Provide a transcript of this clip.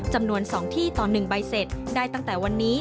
จำนวน๒ที่ต่อ๑ใบเสร็จได้ตั้งแต่วันนี้